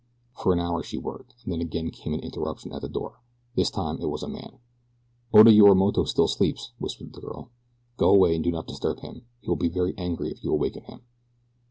For an hour she worked, and then again came an interruption at the door. This time it was a man. "Oda Yorimoto still sleeps," whispered the girl. "Go away and do not disturb him. He will be very angry if you awaken him."